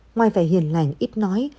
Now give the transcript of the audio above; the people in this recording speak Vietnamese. ngoài vẻ hiền lành ít nói